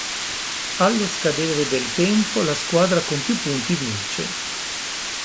Allo scadere del tempo la squadra con più punti vince.